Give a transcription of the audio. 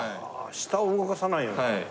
下を動かさないように。